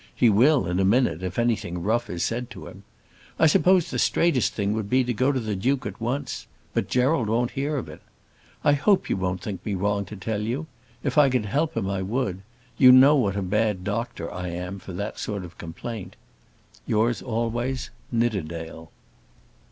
He will, in a minute, if anything rough is said to him. I suppose the straightest thing would be to go to the Duke at once, but Gerald won't hear of it. I hope you won't think me wrong to tell you. If I could help him I would. You know what a bad doctor I am for that sort of complaint. Yours always, NIDDERDALE.